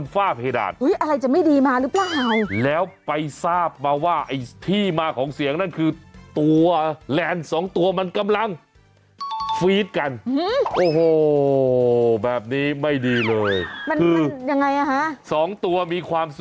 ก็ผมว่าตีเลขไม่เป็นนะ